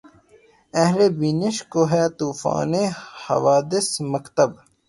اہلِ بینش کو‘ ہے طوفانِ حوادث‘ مکتب